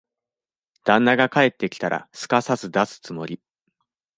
旦那が帰ってきたら、すかさず出すつもり。